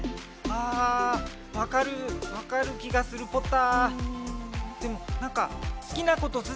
あわかるわかる気がするポタ。